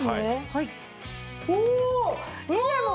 はい。